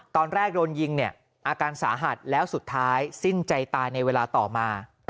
ตอนแรกโดนยิงเนี่ยอาการสาหัสแล้วสุดท้ายสิ้นใจตายในเวลาต่อมา